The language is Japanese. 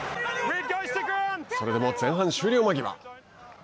それでも前半終了間際。